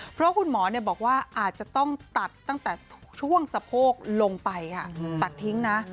เพราะคุณหมอบอกว่าอาจจะต้องตัดตั้งแต่ช่วงสะโพกลงไปค่ะตัดทิ้งนะ